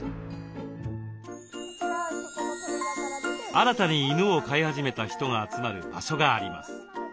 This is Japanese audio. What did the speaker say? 新たに犬を飼い始めた人が集まる場所があります。